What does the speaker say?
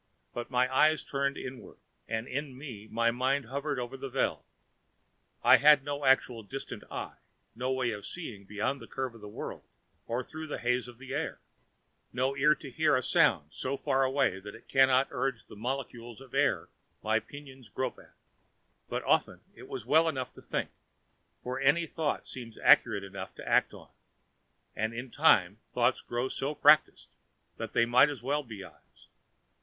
But my eyes turned inward, and in me my mind hovered over the Veld. I had no actual distant eye no way of seeing beyond the curve of the world or through the haze of the air; no ear to listen to a sound so far away it cannot urge the molecules of air my pinions grope at. But often it is well enough to think, for any thought seems accurate enough to act on, and in time thoughts grow so practiced that they might well be eyes.